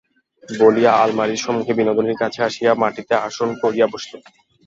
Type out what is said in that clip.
বলিয়া আলমারির সম্মুখে বিনোদিনীর কাছে আসিয়া মাটিতে আসন করিয়া বসিল।